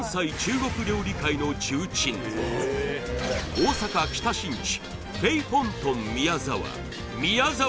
大阪北新地